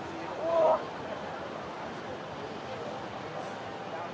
สวัสดีครับ